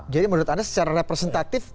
jadi menurut anda secara representatif